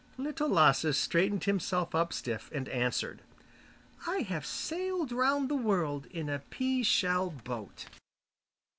Little Lasse straightened himself up stiff, and answered: 'I have sailed round the world in a pea shell boat.